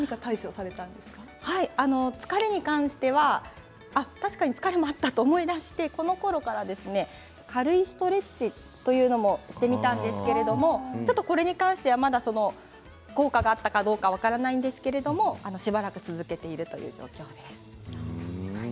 疲れに関しては確かに疲れもあったと思い出してこのころから軽いストレッチというのもしてみたんですけれどもこれに関してはまだ効果があったかどうか分からないんですけれどもしばらく続けているという状況です。